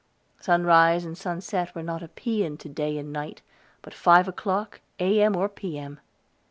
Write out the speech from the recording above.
Sunrise and sunset were not a paean to day and night, but five o'clock A.M. or P.M.